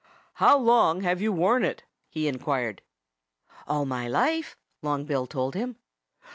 "How long have you worn it?" he inquired. "All my life!" Long Bill told him.